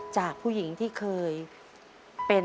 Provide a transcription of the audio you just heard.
จากผู้หญิงที่เคยเป็น